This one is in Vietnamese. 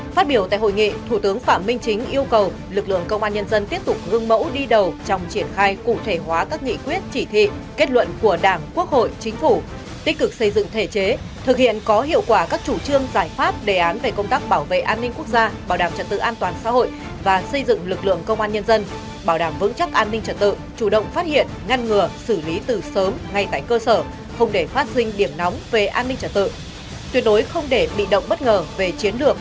phát biểu tại hội nghị thủ tướng phạm minh chính yêu cầu lực lượng công an nhân dân tiếp tục gương mẫu đi đầu trong triển khai cụ thể hóa các nghị quyết chỉ thị kết luận của đảng quốc hội chính phủ tích cực xây dựng thể chế thực hiện có hiệu quả các chủ trương giải pháp đề án về công tác bảo vệ an ninh quốc gia bảo đảm trận tự an toàn xã hội và xây dựng lực lượng công an nhân dân bảo đảm vững chắc an ninh trận tự chủ động phát hiện ngăn ngừa xử lý từ sớm ngay tại cơ sở không để phát sinh điểm nóng về an ninh